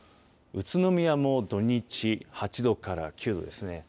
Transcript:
宇都宮も土日、８度から９度ですね。